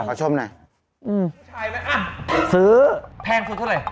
แพงซื้อเท่าไหร่